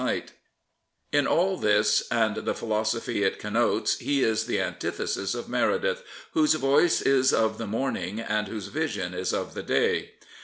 Thomas Hardy In all this and the philosophy it connotes he is the antithesis of Meredith, whose voice is of the morning, and whose vision is of the day.